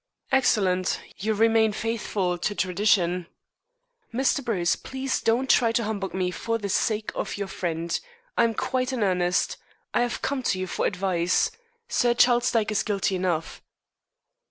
"Excellent. You remain faithful to tradition." "Mr. Bruce, please don't try to humbug me, for the sake of your friend. I am quite in earnest. I have come to you for advice. Sir Charles Dyke is guilty enough."